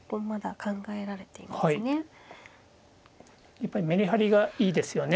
やっぱりめりはりがいいですよね。